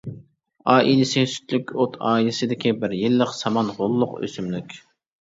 ئائىلىسى سۈتلۈك ئوت ئائىلىسىدىكى بىر يىللىق سامان غوللۇق ئۆسۈملۈك.